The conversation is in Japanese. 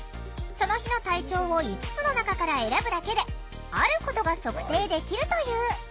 その日の体調を５つの中から選ぶだけであることが測定できるという。